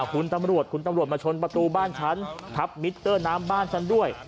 คุณตำรวจมาชนประตูบ้านชั้นทับมิตเตอน้ำบ้านด้วย